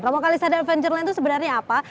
romo kalisari adventureland itu sebenarnya apa